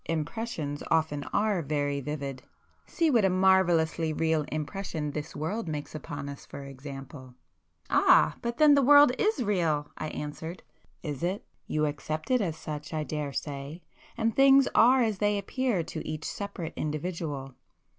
"Impressions often are very vivid. See what a marvellously real impression this world makes upon us, for example!" "Ah! But then the world is real!" I answered. "Is it? You accept it as such, I daresay, and things are as they appear to each separate individual.